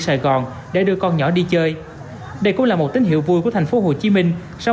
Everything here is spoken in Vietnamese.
vui chơi tròn để đưa con nhỏ đi chơi đây cũng là một tín hiệu vui của thành phố hồ chí minh sau